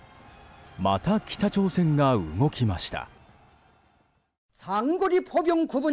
また北朝鮮が動きました。